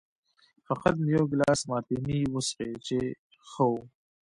فقط مې یو ګیلاس مارتیني وڅښی چې ښه و.